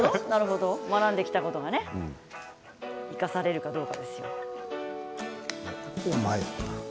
学んできたことが生かされるかどうかです。